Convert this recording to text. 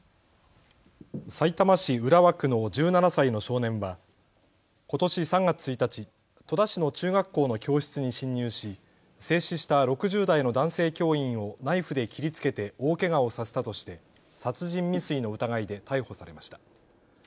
さいたま市浦和区の１７歳の少年はことし３月１日、戸田市の中学校の教室に侵入し制止した６０代の男性教員をナイフで切りつけて大けがをさせたとして殺人未遂の疑いで逮捕されました。